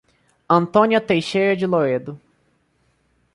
Antônia Texeira de Louredo